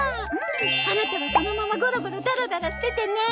アナタはそのままゴロゴロダラダラしててね！